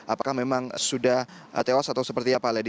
apakah memang sudah telas atau seperti apa lagi